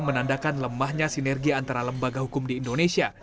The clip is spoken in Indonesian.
menandakan lemahnya sinergi antara lembaga hukum di indonesia